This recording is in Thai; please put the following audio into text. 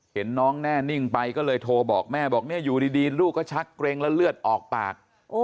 เห็นน้องแน่นิ่งไปก็เลยโทรบอกแม่บอกเนี่ยอยู่ดีลูกก็ชักเกร็งแล้วเลือดออกปาก